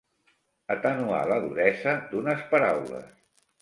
Atenuar la duresa d'unes paraules.